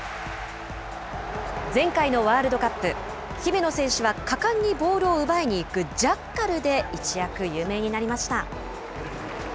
前回のワールドカップ、姫野選手は果敢にボールを奪いにいくジャッカルで一躍有名になりました。